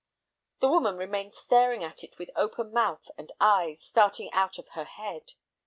The woman remained staring at it with open mouth and eyes starting out of her head.